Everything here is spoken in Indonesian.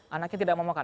anaknya tidak mau makan